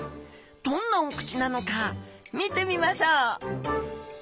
どんなお口なのか見てみましょう！